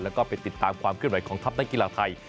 แล้วก็ไปติดตามความเคลื่อนของทัพนักกีฬาไทย